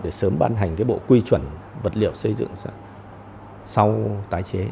để sớm ban hành cái bộ quy chuẩn vật liệu xây dựng sau tái chế